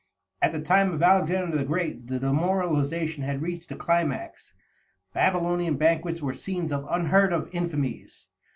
At the time of Alexander the Great the demoralization had reached a climax. Babylonian banquets were scenes of unheard of infamies.